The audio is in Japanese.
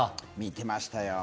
見てましたよ。